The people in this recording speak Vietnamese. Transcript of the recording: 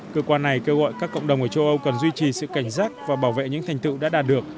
cơ quan này kêu gọi các cộng đồng ở châu âu cần duy trì sự cảnh giác và bảo vệ những thành tựu đã đạt được